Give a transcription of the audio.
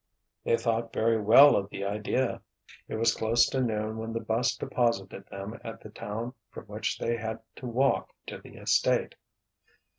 They thought very well of the idea. It was close to noon when the 'bus deposited them at the town from which they had to walk to the estate.